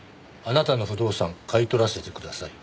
「貴方の不動産買い取らせてください」